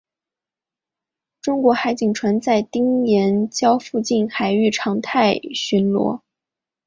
中国海警船在丁岩礁附近海域常态巡逻。